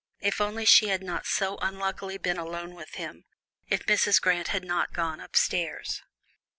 If only she had not so unluckily been alone with him if Mrs. Grant had not gone upstairs!